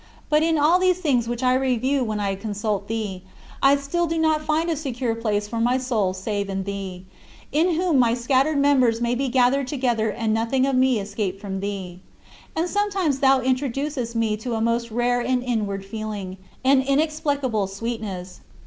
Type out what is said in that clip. But in all these things which I review when I consult thee, I still do not find a secure place for my soul save in thee, in whom my scattered members may be gathered together and nothing of me escape from thee. And sometimes thou introducest me to a most rare and inward feeling, an inexplicable sweetness.